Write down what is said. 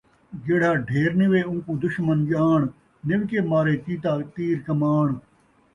جیڑھا ڈھیر نِوے اون٘کوں دشمن ڄاݨ ، نِو کے مارے چیتا، تیر کماݨ